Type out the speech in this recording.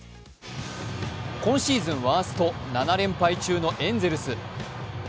今シーズンワースト７連敗中のエンゼルス。